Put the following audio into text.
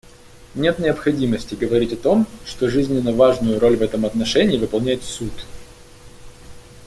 Нет необходимости говорить о том, что жизненно важную роль в этом отношении выполняет Суд.